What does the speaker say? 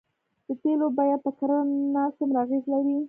د تیلو بیه په کرنه څومره اغیز لري؟